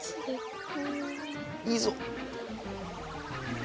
・いいぞ！